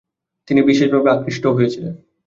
তিনি বিশেষভাবে আকৃষ্টও হয়েছিলেন।